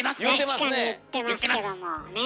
確かに言ってますけどもねえ。